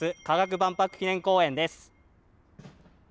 万博記念公園です。